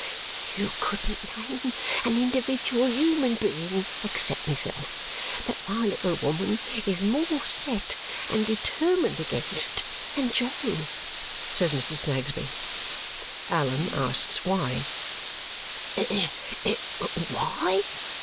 "You couldn't name an individual human being except myself that my little woman is more set and determined against than Jo," says Mr. Snagsby. Allan asks why. "Why?"